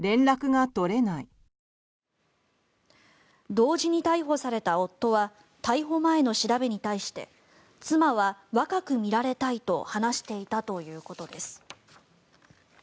同時に逮捕された夫は逮捕前の調べに対して妻は若く見られたいと話していたということです。